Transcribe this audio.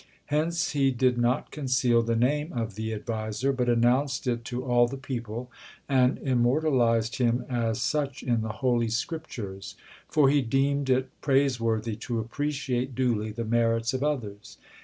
Hence he did not conceal the name of the adviser, but announced it to all the people, and immortalized him as such in the Holy Scriptures; for he deemed it praiseworthy to appreciate duly the merits of others.